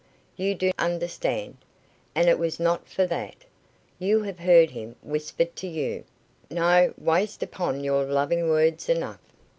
"You do understand. And it was not for that. You have heard him whisper to you no waste upon you loving words enough."